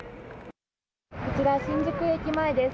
こちら、新宿駅前です。